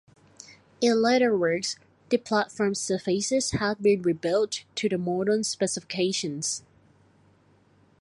In later works the platform surfaces have been rebuilt to modern specifications.